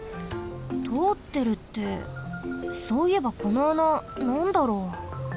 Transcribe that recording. とおってるってそういえばこの穴なんだろう？